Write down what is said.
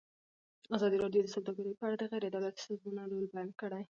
ازادي راډیو د سوداګري په اړه د غیر دولتي سازمانونو رول بیان کړی.